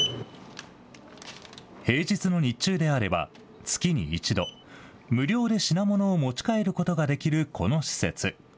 平日の日中であれば、月に１度、無料で品物を持ち帰ることができるこの施設。